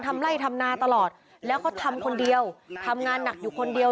ทำไล่ทำนาตลอดแล้วเขาทำคนเดียวทำงานหนักอยู่คนเดียว